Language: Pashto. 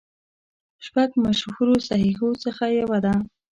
شپږو مشهورو صحیحو څخه یوه ده.